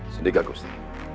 sedih gak gusti